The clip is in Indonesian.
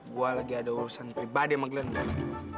gua lagi ada urusan pribadi sama glenn